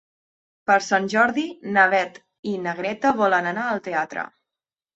Per Sant Jordi na Beth i na Greta volen anar al teatre.